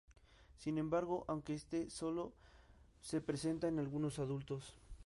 Sin embargo, aunque esto sólo se presenta en algunos adultos.